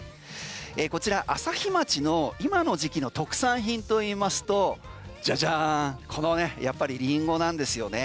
こちら朝日町の今の時期の特産品といいますとやっぱりリンゴなんですよね。